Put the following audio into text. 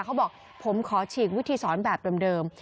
เขาบอกผมขอฉีกวิธีสอนแบบเดิม